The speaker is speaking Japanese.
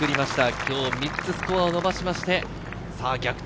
今日３つスコアを伸ばしまして、逆転